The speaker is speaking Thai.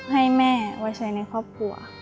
ให้แม่ไว้ใช้ในครอบครัว